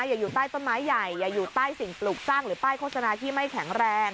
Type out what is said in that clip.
อยู่ใต้ต้นไม้ใหญ่อย่าอยู่ใต้สิ่งปลูกสร้างหรือป้ายโฆษณาที่ไม่แข็งแรง